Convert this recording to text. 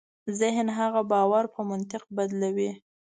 ذهن هغه باور په منطق بدلوي.